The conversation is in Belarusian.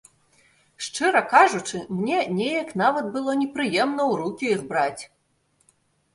Шчыра кажучы, мне неяк нават было непрыемна ў рукі іх браць.